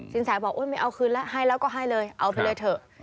สินแสบอกโอ๊ยไม่เอาคืนแล้วให้แล้วก็ให้เลยเอาไปเลยเถอะ